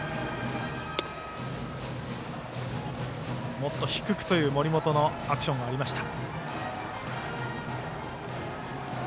もっと低くという森本のアクションがありました。